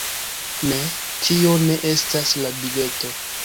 Ne, tio ne estas la bileto